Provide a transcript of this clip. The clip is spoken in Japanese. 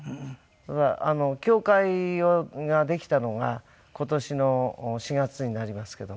協会ができたのが今年の４月になりますけども。